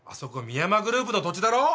深山グループの土地だろ？